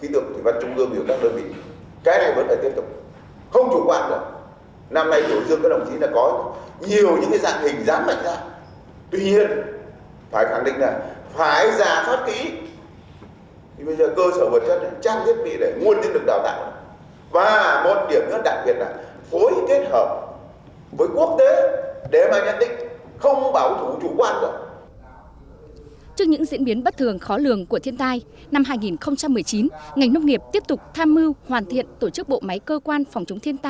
tỷ đồng làm hai trăm một mươi tám người chết và mất tích